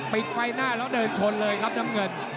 ปิดไฟหน้าแล้วเดินชนเลยครับน้ำเงิน